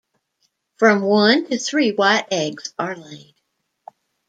From one to three white eggs are laid.